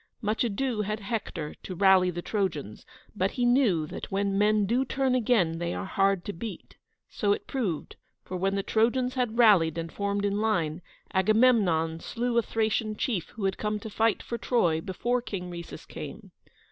Much ado had Hector to rally the Trojans, but he knew that when men do turn again they are hard to beat. So it proved, for when the Trojans had rallied and formed in line, Agamemnon slew a Thracian chief who had come to fight for Troy before King Rhesus came.